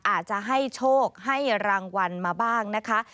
อาจจะให้โชคให้รางวัลมาบ้างนะคะ